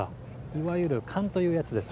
いわゆる勘というやつです。